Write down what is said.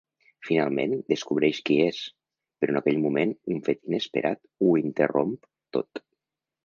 Finalment, descobreix qui és… però en aquell moment un fet inesperat ho interromp tot.